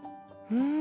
うん。